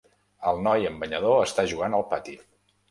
El noi amb banyador està jugant al pati